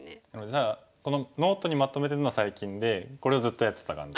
じゃあこのノートにまとめてるのは最近でこれをずっとやってた感じ。